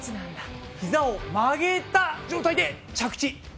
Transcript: ひざを曲げた状態で着地でしたね！